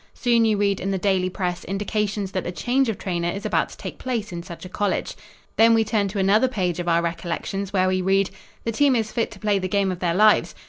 Soon you read in the daily press indications that a change of trainer is about to take place in such a college. Then we turn to another page of our recollections where we read: "The team is fit to play the game of their lives."